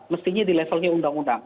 mestinya di levelnya undang undang